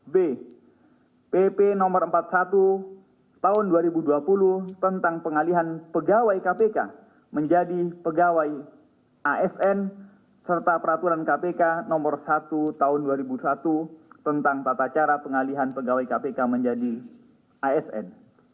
bp no empat puluh satu tahun dua ribu dua puluh tentang pengalihan pegawai kpk menjadi pegawai asn serta peraturan kpk nomor satu tahun dua ribu satu tentang tata cara pengalihan pegawai kpk menjadi asn